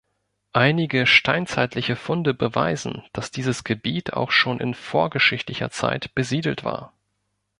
Einige steinzeitliche Funde beweisen, dass dieses Gebiet auch schon in vorgeschichtlicher Zeit besiedelt war.